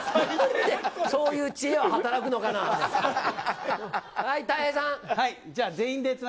そういう知恵は働くのかな。